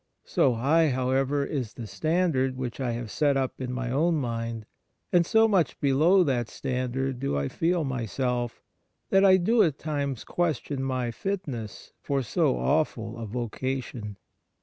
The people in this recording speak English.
So high, how ever, is the standard which I have set up in my own mind, and so much below that standard do I feel myself, that I do at times question my fitness for so awful a vocation.'